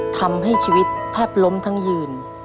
ทำให้ชีวิตแทบล้มทั้งยืน